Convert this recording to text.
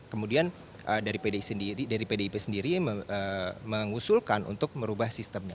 kemudian dari pdip sendiri mengusulkan untuk merubah sistemnya